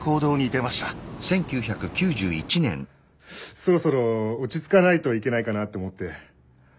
そろそろ落ち着かないといけないかなと思って。